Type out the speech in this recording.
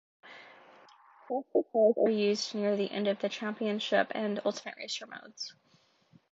Faster cars are used near the end of the "Championship" and "Ultimate Racer" modes.